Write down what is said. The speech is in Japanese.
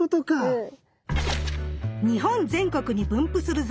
はい。